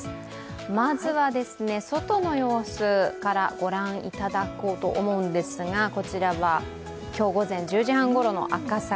まずは、外の様子から御覧いただこうと思うんですがこちらは今日午前１０時半ごろの赤坂。